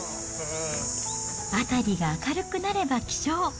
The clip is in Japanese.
辺りが明るくなれば起床。